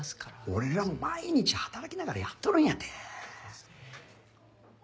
俺らも毎日働きながらやっとるんやて。